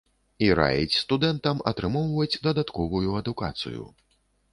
І раіць студэнтам атрымоўваць дадатковую адукацыю.